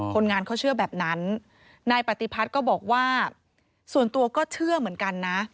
คนงานเขาเชื่อแบบนั้นนายปฏิพัฒน์ก็บอกว่าส่วนตัวก็เชื่อเหมือนกันนะ